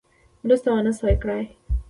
مرسته ونه سوه کړای.